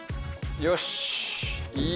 よし！